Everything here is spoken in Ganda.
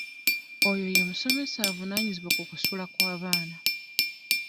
Oyo ye musomesa avunaanyizibwa ku kusula kw'abaana.